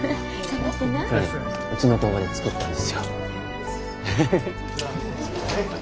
これうちの工場で作ったんですよ。